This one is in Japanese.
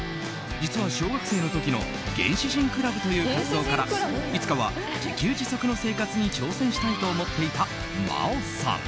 実は小学生の時の原始人クラブという活動からいつかは自給自足の生活に挑戦したいと思っていた真央さん。